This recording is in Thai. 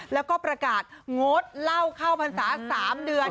แล้วก็ประกาศงดเหล้าเข้าพรรษา๓เดือน